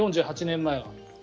４８年前は。